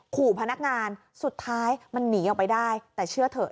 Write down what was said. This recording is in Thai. ขู่พนักงานสุดท้ายมันหนีออกไปได้แต่เชื่อเถอะ